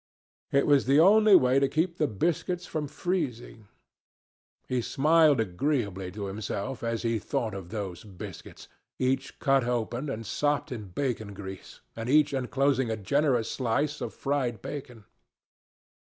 It was the only way to keep the biscuits from freezing. He smiled agreeably to himself as he thought of those biscuits, each cut open and sopped in bacon grease, and each enclosing a generous slice of fried bacon.